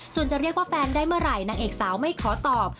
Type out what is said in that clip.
ส่วนจะเรียกว่าแฟนได้เมื่อไหร่นางเอกสาวไม่ขอตอบ